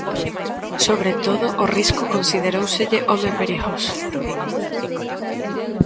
Sobre todo ó Risco consideróuselle home perigoso.